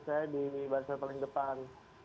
saya di barcelo paling depan